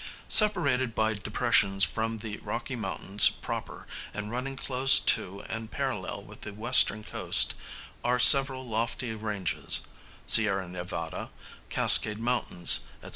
Separated by depressions from the Rocky Mountains proper, and running close to and parallel with the western coast, are several lofty ranges (Sierra Nevada, Cascade Mountains, &c.).